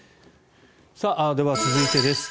では、続いてです。